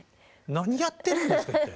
何やってるんですか？